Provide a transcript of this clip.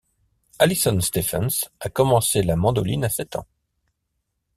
Alison Stephens a commencé la mandoline à sept ans.